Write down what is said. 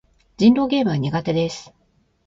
人狼ゲームは苦手です。